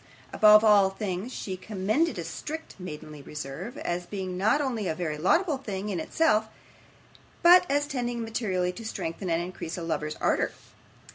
Above all things she commended a strict maidenly reserve, as being not only a very laudable thing in itself, but as tending materially to strengthen and increase a lover's ardour.